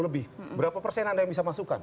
lima puluh lebih berapa persen anda yang bisa masukkan